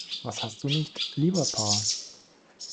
Was hast du nicht, lieber Pa?